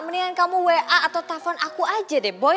mendingan kamu wa atau telpon aku aja deh boy